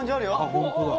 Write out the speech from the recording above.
本当だ。